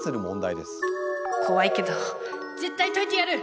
怖いけど絶対解いてやる！